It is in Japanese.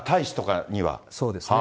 そうですね。